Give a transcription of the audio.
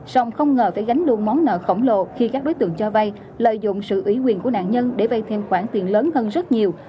sông không ngờ phải gánh luôn món nợ khổng lồ khi các đối tượng cho vay lợi dụng sự ủy quyền của nạn nhân để vay thêm khoản tiền lớn hơn rất nhiều